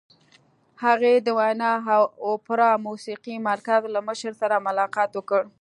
هغې د ویانا د اوپرا موسیقۍ مرکز له مشر سره ملاقات وکړ